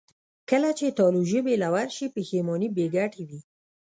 کله چې تالو ژبې له ورشي، پښېماني بېګټې وي.